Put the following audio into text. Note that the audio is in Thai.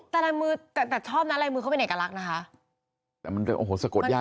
แต่ชอบนะลายมือเขาเป็นเอกลักษณ์นะคะ